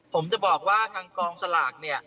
ผมจะบอกว่าทางกองสลากเนี่ย